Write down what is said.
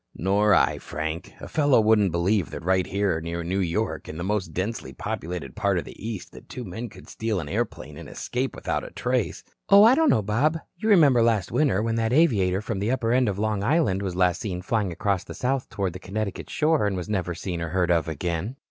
"Nor I, Frank. A fellow wouldn't believe that right here near New York, in the most densely populated part of the East, two men could steal an airplane and escape without a trace." "Oh, I don't know, Bob. You remember last winter when that aviator from the upper end of Long Island was last seen flying across the Sound toward the Connecticut shore and was never seen or heard of again."